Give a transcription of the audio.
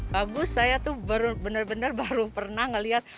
bagus saya tuh benar benar baru pernah melihat